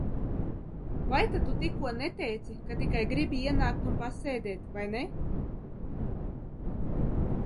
Vai tad tu tikko neteici, ka tikai gribi ienākt un pasēdēt, vai ne?